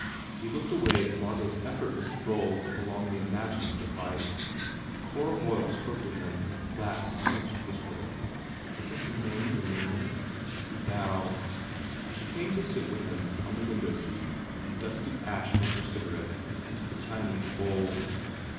He looked away at Margot s effort less stroll along the imagined footlights. Cora Boyle spoke to him in a flat and pinched whisper. "Isn t your name Bernamer?" He bowed. She came to sit with him on the window seat and dusted ash from her cigarette into the Chinese bowl.